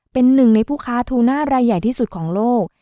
เป็นหนึ่งในผู้ค้าทูน่ารายใหญ่ที่สุดของโลก